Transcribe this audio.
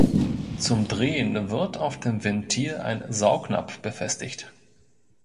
Zum Drehen wird auf dem Ventil ein Saugnapf befestigt.